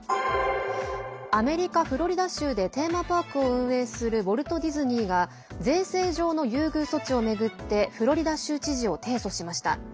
アメリカ・フロリダ州でテーマパークを運営するウォルト・ディズニーが税制上の優遇措置を巡ってフロリダ州知事を提訴しました。